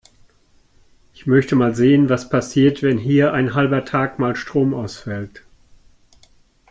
Ich möchte mal sehen, was passiert, wenn hier ein halber Tag mal Strom ausfällt.